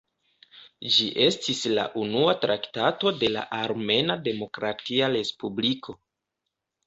Ĝi estis la unua traktato de la Armena Demokratia Respubliko.